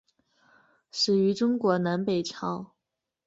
始于中国南北朝。